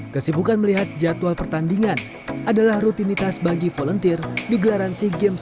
kesibukan melihat jadwal pertandingan adalah rutinitas bagi volunteer di gelaran sea games